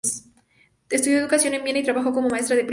Estudió educación en Viena y trabajó como maestra de primaria.